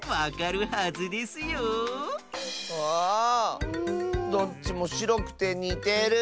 うわあどっちもしろくてにてる。